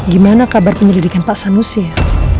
gimana kabar pendidikan pak sanusi ya